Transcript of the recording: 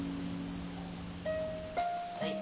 はい。